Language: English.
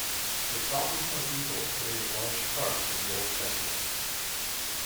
The problem of evil plays a large part in the Old Testament.